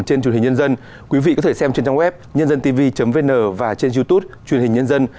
trên truyền hình nhân dân